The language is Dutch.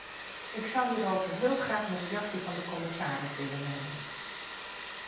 Ik zou hierover heel graag een reactie van de commissaris willen hebben.